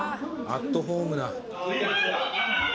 アットホームな。